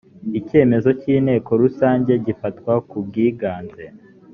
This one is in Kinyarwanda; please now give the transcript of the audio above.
icyemezo cy inteko rusange gifatwa ku bwiganze